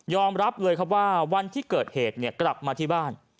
รับเลยครับว่าวันที่เกิดเหตุกลับมาที่บ้าน